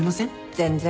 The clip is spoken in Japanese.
全然。